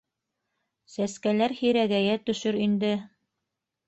Сәскәләр һирәгәйә төшөр инде.